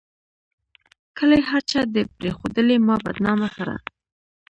کلي هر چا دې پريښودلي ما بدنامه سره